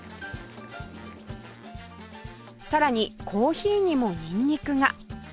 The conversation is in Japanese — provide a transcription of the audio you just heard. さらにコーヒーにもニンニクが